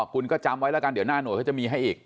คุณก็จำไว้แล้วกันเดี๋ยวหน้าหน่วยเขาจะมีให้อีก